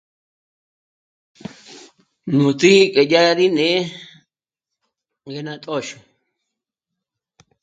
Nú tǐ'i ngé dya rí né'e ngé ná t'óxü